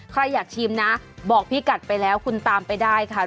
ใครอยากชิมนะบอกพี่กัดไปแล้วคุณตามไปได้ค่ะ